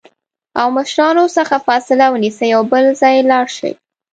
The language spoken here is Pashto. او مشرانو څخه فاصله ونیسي او بل ځای لاړ شي